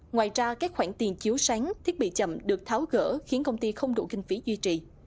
ngoài ra các khoản tiền chiếu sáng thiết bị chậm được tháo gỡ khiến công ty không đủ kinh phí duy trì